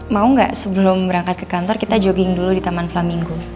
mau nggak sebelum berangkat ke kantor kita jogging dulu di taman flaminggo